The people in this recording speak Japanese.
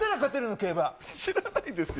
知らないですよ。